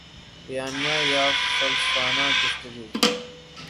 بیانیہ یا فلسفانہ گفتگو